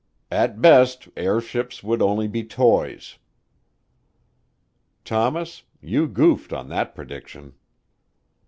"At best airships would only be toys." Thomas you goofed on that prediction.